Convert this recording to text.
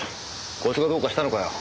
こいつがどうかしたのかよ？